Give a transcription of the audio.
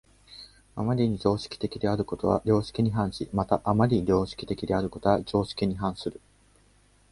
余りに常識的であることは良識に反し、また余りに良識的であることは常識に反する。